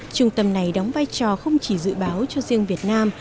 trung tâm này đóng vai trò không chỉ dự báo cho riêng việt nam